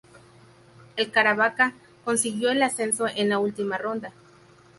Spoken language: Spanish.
El Caravaca consiguió el ascenso en la última ronda.